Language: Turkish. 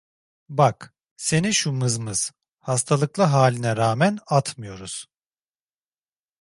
Bak, seni şu mızmız, hastalıklı haline rağmen atmıyoruz!